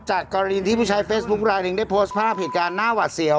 จากกรณีที่ผู้ใช้เฟซบุ๊คไลนึงได้โพสต์ภาพเหตุการณ์หน้าหวัดเสียว